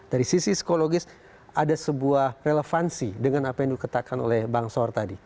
dari sisi psikologis ada sebuah relevansi dengan apa yang dikatakan oleh bang sor tadi